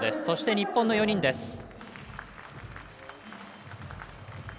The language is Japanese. そして日本の４人です。